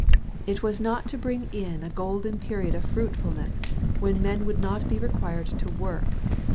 It was not to bring in a golden period of fruitfulness when men would not be required to work.